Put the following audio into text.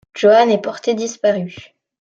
Johan est porté disparu.